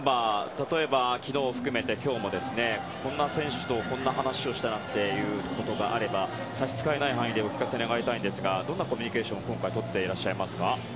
例えば昨日を含めて今日もこんな選手とこんな話をしたということがあれば差し支えない範囲でお聞かせ願いたいんですがどんなコミュニケーションを今回、取っていますか？